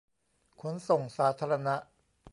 ขนส่งสาธารณะ